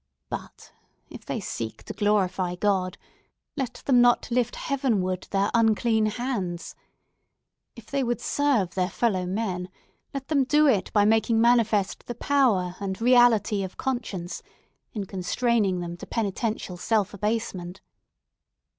But, if they seek to glorify God, let them not lift heavenward their unclean hands! If they would serve their fellowmen, let them do it by making manifest the power and reality of conscience, in constraining them to penitential self abasement!